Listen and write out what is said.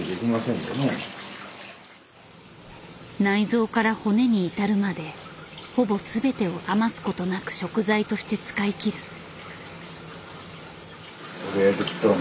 内臓から骨に至るまでほぼ全てを余すことなく食材として使いきる。